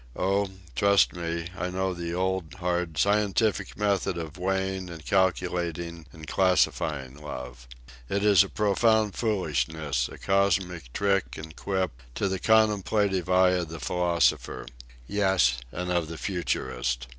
Oh, trust me, I know the old, hard scientific method of weighing and calculating and classifying love. It is a profound foolishness, a cosmic trick and quip, to the contemplative eye of the philosopher—yes, and of the futurist.